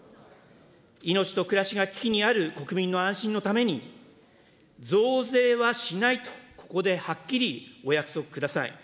命と暮らしが危機にある国民の安心のために、増税はしないと、ここではっきりお約束ください。